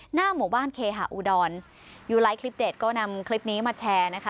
หน้าหมู่บ้านเคหาอุดรยูไลท์คลิปเด็ดก็นำคลิปนี้มาแชร์นะคะ